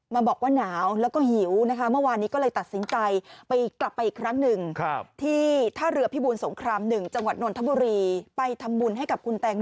มาบอกว่านาวแล้วก็หิวนะคะ